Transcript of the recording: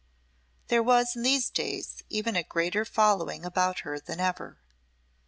There was in these days even a greater following about her than ever.